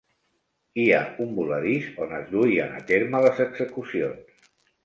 Hi ha un voladís on es duien a terme les execucions.